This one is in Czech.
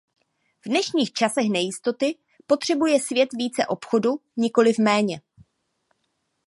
V dnešních časech nejistoty potřebuje svět více obchodu, nikoliv méně.